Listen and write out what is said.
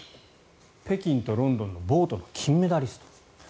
北京とロンドンでボートで金メダリストに。